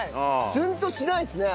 ツンとしないですね。